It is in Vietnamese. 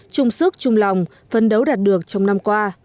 chung sức chung lòng phân đấu đạt được trong năm qua